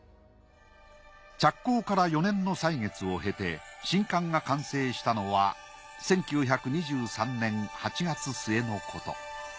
着工から４年の歳月を経て新館が完成したのは１９２３年８月末のこと。